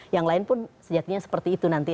yang lain pun sejatinya seperti itu nanti